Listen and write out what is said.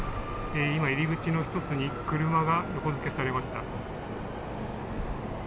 今、入り口の１つに車が横付けされました。